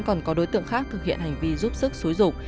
còn có đối tượng khác thực hiện hành vi giúp sức xúi rục